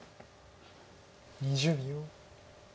２０秒。